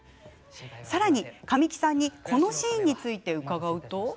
更に神木さんにこのシーンについて伺うと。